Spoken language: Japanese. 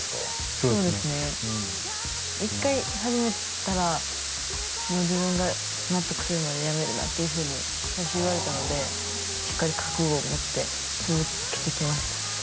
そうですね一回始めたらもう自分が納得するまでやめるなっていうふうに最初言われたのでしっかり覚悟を持って続けてきましたね